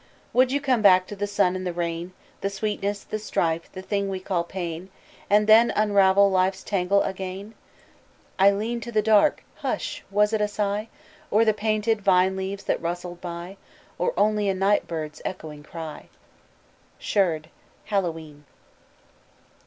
"Would you come back to the sun and the rain, The sweetness, the strife, the thing we call pain, And then unravel life's tangle again? "I lean to the dark Hush! was it a sigh? Or the painted vine leaves that rustled by? Or only a night bird's echoing cry?" SHEARD: _Hallowe'en.